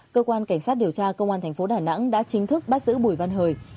cơ quan cảnh sát điều tra công an thành phố đà nẵng đã chính thức bắt giữ bùi văn hời